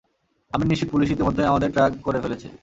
আমি নিশ্চিত পুলিশ ইতিমধ্যেই আমাদের ট্র্যাক করে ফেলেছে।